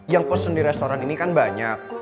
yang pesen di restoran ini kan banyak